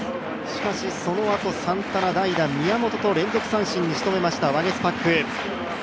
しかし、そのあとサンタナ、代打・宮本と連続三振に仕留めましたワゲスパック。